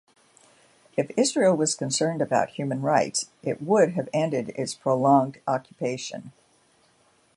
If Israel was concerned about human rights it would have ended its prolonged occupation.